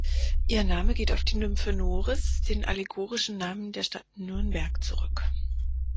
Ihr Name geht auf die Nymphe Noris, den allegorischen Namen der Stadt Nürnberg zurück.